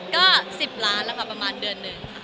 ก็๑๐ล้านละครับประมาณเดือน